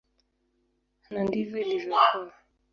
Na ndivyo ilivyokuwa.